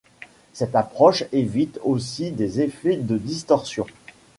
Cette approche évite aussi des effets de distorsion.